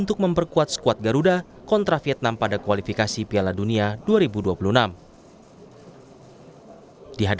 tim nas garuda menang di piala asia dua ribu dua puluh tiga